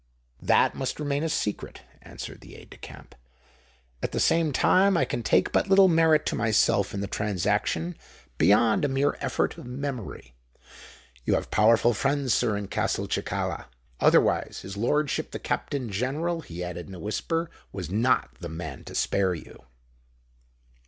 "That must remain a secret," answered the aide de camp. "At the same time I can take but little merit to myself in the transaction—beyond a mere effort of memory. You have powerful friends, sir, in Castelcicala: otherwise his lordship the Captain General," he added in a whisper, "was not the man to spare you."